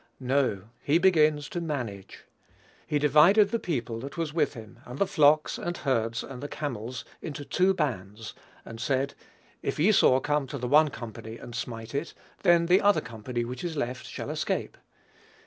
No; he begins to manage. "He divided the people that was with him, and the flocks, and herds, and the camels, into two bands; and said, If Esau come to the one company and smite it, then the other company which is left shall escape."